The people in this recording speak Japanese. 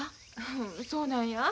うんそうなんや。